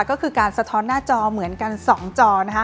ก็คือการสะท้อนหน้าจอเหมือนกัน๒จอนะคะ